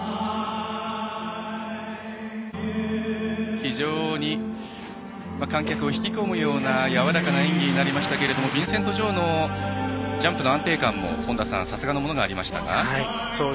非常に観客を引き込むようなやわらかな演技になりましたがビンセント・ジョウのジャンプの安定感もさすがのものがありましたか。